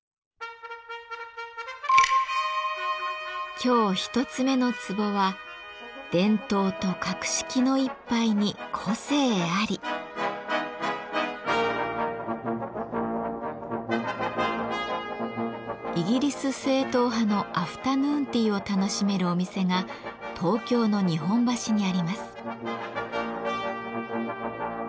今日一つ目のツボはイギリス正統派のアフタヌーンティーを楽しめるお店が東京の日本橋にあります。